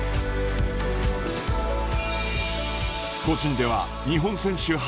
個人では日本選手